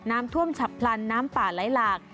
น้ำท่วมฉับพลันน้ำป่าไหลหลาก